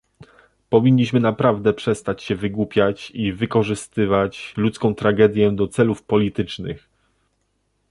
Powinniśmy naprawdę przestać się wygłupiać i wykorzystywać ludzką tragedię do celów politycznych